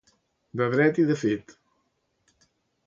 De dret i de fet.